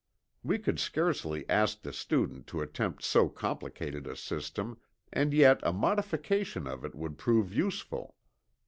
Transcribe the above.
We could scarcely ask the student to attempt so complicated a system, and yet a modification of it would prove useful.